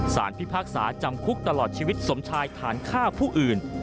พิพากษาจำคุกตลอดชีวิตสมชายฐานฆ่าผู้อื่น